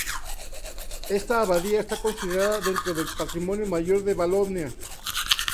Esta abadía está considerada dentro del "Patrimonio Mayor de Valonia".